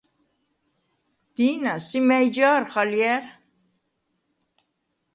დი̄ნა, სი მა̈ჲ ჯა̄რხ ალჲა̈რ?